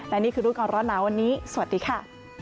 และนี่คือรูปก่อนร้อนหนาวันนี้สวัสดีค่ะ